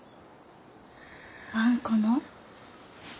あんこの？